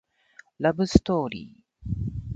ラブストーリー